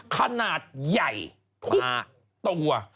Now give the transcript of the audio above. ขนาดใหญ่ทุกตัว